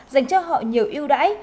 dành cho họ nhiều yêu đãi